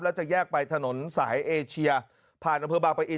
แล้วจะแยกไปถนนสายเอเชียผ่านอำเภอบางปะอิน